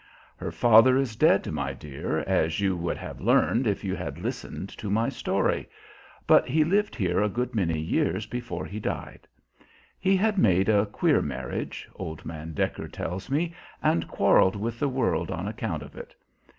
"Her father is dead, my dear, as you would have learned if you had listened to my story. But he lived here a good many years before he died. He had made a queer marriage, old man Decker tells me, and quarreled with the world on account of it.